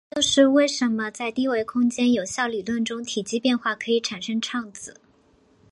这就是为什么在低维空间有效理论中体积变化可以产生胀子。